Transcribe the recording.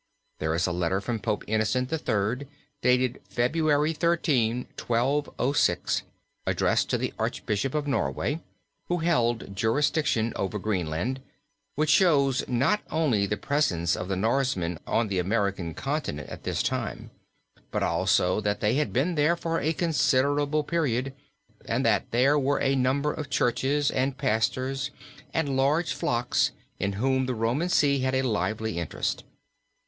There is a letter from Pope Innocent III., dated February 13, 1206, addressed to the Archbishop of Norway, who held jurisdiction over Greenland, which shows not only the presence of the Norsemen on the American Continent at this time, but also that they had been here for a considerable period, and that there were a number of churches and pastors and large flocks in whom the Roman See had a lively interest.